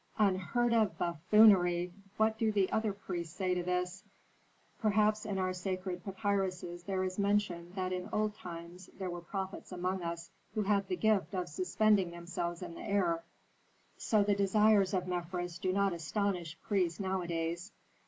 "Unheard of buffoonery! What do the other priests say to this?" "Perhaps in our sacred papyruses there is mention that in old times there were prophets among us who had the gift of suspending themselves in the air; so the desires of Mefres do not astonish priests nowadays.